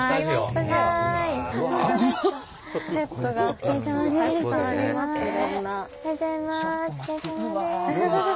おはようございます。